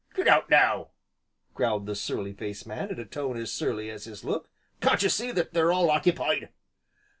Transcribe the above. "Get out, now!" growled the surly faced man, in a tone as surly as his look, "can't ye see as they're all occipied?"